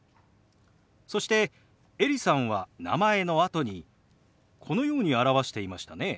そしてエリさんは名前のあとにこのように表していましたね。